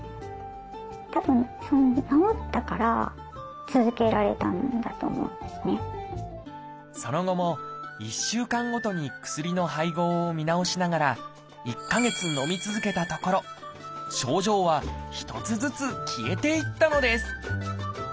たぶんその後も１週間ごとに薬の配合を見直しながら１か月のみ続けたところ症状は一つずつ消えていったのです